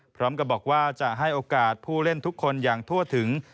พร้อมกับบอกว่าจะให้โอกาสผู้เล่นทุกคนอย่างทั่วถึง